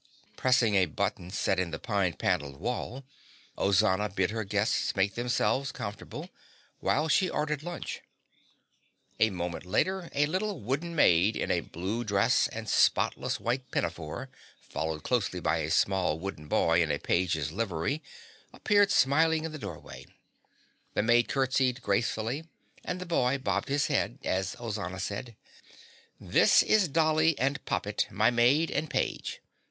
Pressing a button set in the pine paneled wall, Ozana bid her guests make themselves comfortable while she ordered lunch. A moment later a little wooden maid in a blue dress and spotless white pinafore, followed closely by a small wooden boy in a page's livery, appeared smiling in the doorway. The maid curtsied gracefully and the boy bobbed his head as Ozana said, "This is Dolly and Poppet, my maid and page.